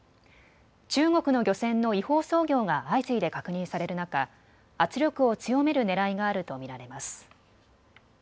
中国の漁船の違法操業が相次いで確認される中、圧力を強めるねらいがあると見られます。